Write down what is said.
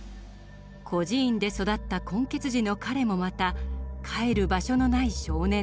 孤児院で育った混血児の彼もまた帰る場所のない少年でした。